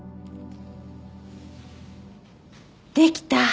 できた！